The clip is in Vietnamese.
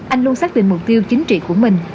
anh luôn xác định mục tiêu chính trị của mình